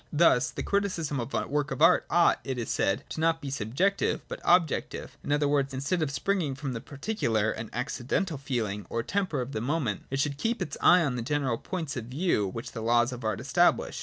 Thus the criticism of a work of art ought, it is said, to be not subjective, but objective ; in other words, instead of springing from the particular and accidental feeling or temper of the moment, it should keep its eye on those general points of view which the laws of art establish.